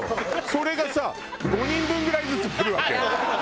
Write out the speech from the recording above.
それがさ５人分ぐらいずつくるわけよ。